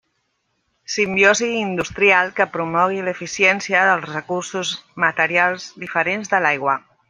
Simbiosi industrial que promogui l'eficiència dels recursos materials diferents de l'aigua.